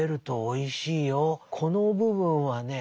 この部分はね